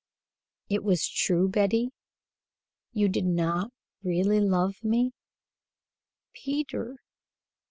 "It was true, Betty? You did not really love me?" "Peter!